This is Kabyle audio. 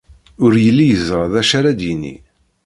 Ur yelli yeẓra d acu ara d-yini.